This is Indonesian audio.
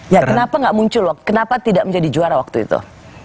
ya kenapa nggak muncul loh kenapa tidak menjadi juara waktu itu